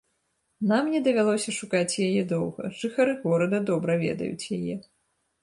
Нам не давялося шукаць яе доўга, жыхары горада добра ведаюць яе.